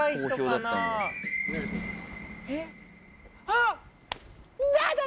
あっ！